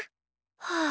はあ。